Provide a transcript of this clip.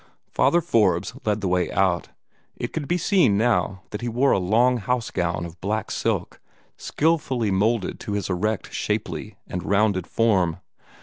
Father Forbes led the way out. It could be seen now that he wore a long house gown of black silk, skilfully moulded to his erect, shapely, and rounded form.